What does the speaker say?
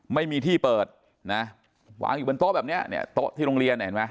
ไม่มีที่เปิดนะวางอยู่บนโต๊ะแบบนี้เนี่ยโต๊ะที่โรงเรียน